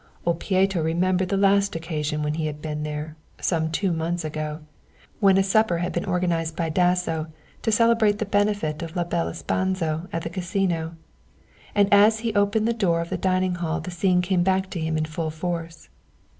Old Pieto remembered the last occasion when he had been there, some two months ago, when a supper had been organized by Dasso to celebrate the benefit of La Belle Espanzo at the Casino, and as he opened the door of the dining hall the scene came back to him in full force.